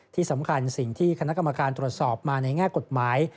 ที่สำคัญสิ่งที่คณะกรรมการตรวจสอบมาในแง่กฎหมาย